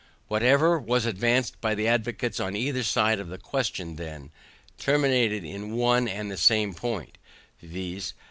Whatever was advanced by the advocates on either side of the question then, terminated in one and the same point, viz.